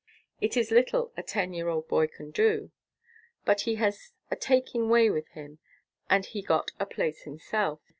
It is little a ten year old boy can do, but he has a taking way with him, and he got a place himself.